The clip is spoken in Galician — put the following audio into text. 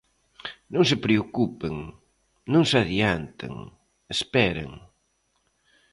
Non se preocupen, non se adianten, esperen.